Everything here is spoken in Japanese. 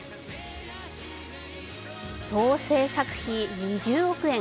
総制作費２０億円。